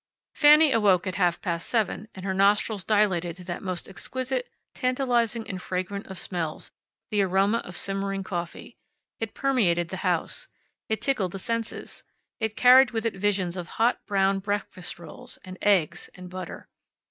Fanny awoke at half past seven, and her nostrils dilated to that most exquisite, tantalizing and fragrant of smells the aroma of simmering coffee. It permeated the house. It tickled the senses. It carried with it visions of hot, brown breakfast rolls, and eggs, and butter.